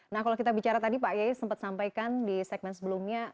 nah kalau kita bicara tadi pak yayi sempat sampaikan di segmen sebelumnya